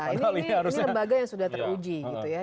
ini lembaga yang sudah teruji gitu ya